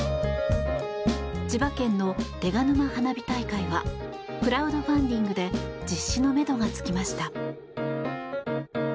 千葉県の手賀沼花火大会はクラウドファンディングで実施の目途がつきました。